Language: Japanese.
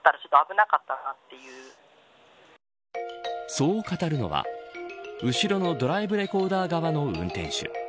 そう語るのは後ろのドライブレコーダー側の運転手。